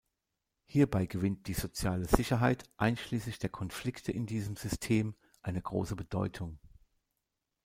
Hierbei gewinnt die Soziale Sicherheit, einschließlich der Konflikte in diesem System, eine große Bedeutung.